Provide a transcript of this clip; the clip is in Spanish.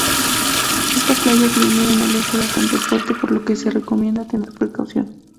Esta playa tiene un oleaje bastante fuerte, por lo que se recomienda tener precaución.